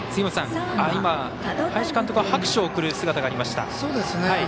林監督は拍手を送る姿がありました。